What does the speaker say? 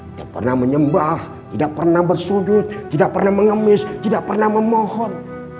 tidak pernah menyembah tidak pernah bersudut tidak pernah mengemis tidak pernah memohon